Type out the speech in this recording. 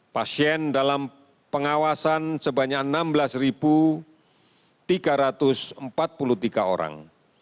pasien dalam pengawasan sebanyak enam belas tiga ratus empat puluh tiga orang